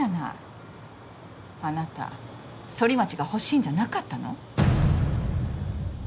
あなたソリマチが欲しいんじゃなかったの？